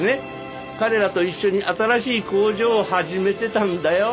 彼らと一緒に新しい工場を始めてたんだよ。